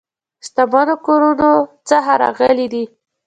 شتمنو کورونو څخه راغلي دي.